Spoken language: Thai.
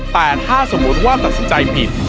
แต่ถ้าสมมุติว่าตัดสินใจผิด